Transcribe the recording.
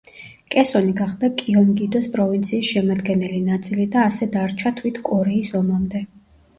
კესონი გახდა კიონგიდოს პროვინციის შემადგენელი ნაწილი და ასე დარჩა თვით კორეის ომამდე.